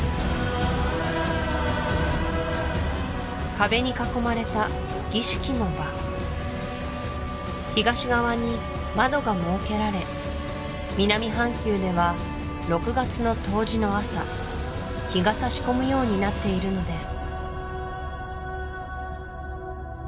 壁に囲まれた儀式の場東側に窓が設けられ南半球では６月の冬至の朝日が差し込むようになっているのです